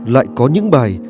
lại có những bài